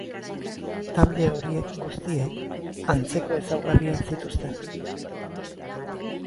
Talde horiek guztiek, antzeko ezaugarriak zituzten.